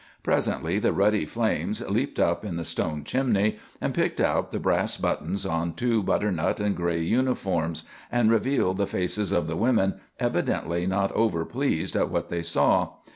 Presently the ruddy flames leaped up in the stone chimney and picked out the brass buttons on two butternut and gray uniforms, and revealed the faces of the women, evidently not over pleased at what they saw.